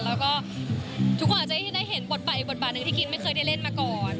แล้วก็ทุกคนอาจจะได้เห็นบทบาทอีกบทบาทหนึ่งที่คินไม่เคยได้เล่นมาก่อน